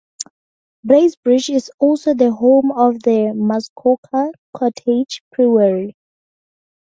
Bracebridge is also the home of the Muskoka Cottage Brewery.